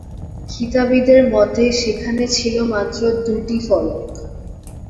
কিতাবীদের মতে, সেখানে ছিল মাত্র দুইটি ফলক।